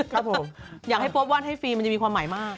ครับผมอยากให้พบว่านให้ฟรีมันจะมีความหมายมาก